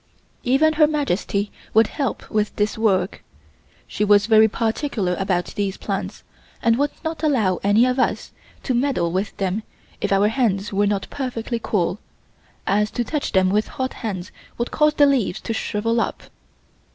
Even Her Majesty would help with this work. She was very particular about these plants, and would not allow any of us to meddle with them if our hands were not perfectly cool, as to touch them with hot hands would cause the leaves to shrivel up.